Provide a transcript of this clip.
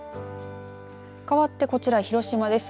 かわってこちら広島です。